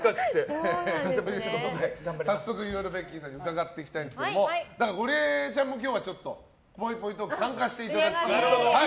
早速、ベッキーさんに伺っていきたいんですがゴリエちゃんも今日は、ぽいぽいトーク参加していただくということで。